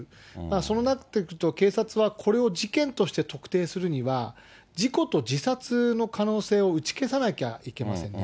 そうなってくると、警察は、これを事件として特定するには、事故と自殺の可能性を打ち消さなきゃいけませんね。